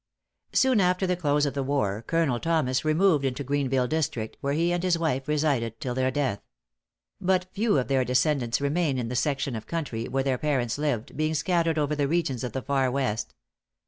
Soon after the close of the war, Colonel Thomas removed into Greenville district, where he and his wife resided till their death. But few of their descendants remain in the section of country where their parents lived, being scattered over the regions of the far West.